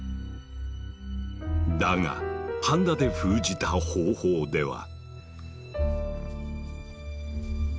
だがハンダで封じた方法では。